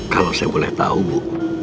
kalau saya boleh tahu bu